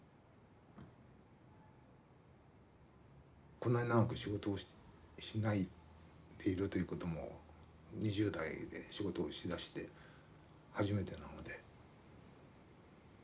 こんなに長く仕事をしないでいるということも２０代で仕事をしだして初めてなので。